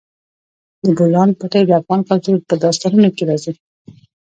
د بولان پټي د افغان کلتور په داستانونو کې راځي.